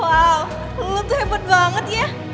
wow lu tuh hebat banget ya